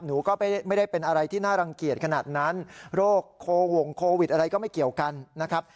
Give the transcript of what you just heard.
หนูก็ไม่ได้เป็นอะไรที่น่ารังเกียจขนาดนั้นโรคโควงโควิดอะไรก็ไม่เกี่ยวกันนะครับ